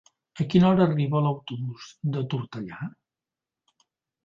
A quina hora arriba l'autobús de Tortellà?